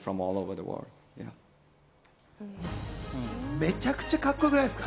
めちゃくちゃカッコよくないですか？